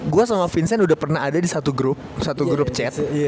gue sama vincent udah pernah ada di satu grup satu grup chat